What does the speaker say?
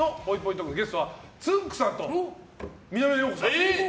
トークゲストはつんく♂さんと南野陽子さん